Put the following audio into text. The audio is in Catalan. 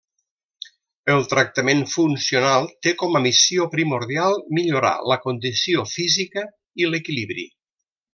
El tractament funcional té com a missió primordial millorar la condició física i l'equilibri.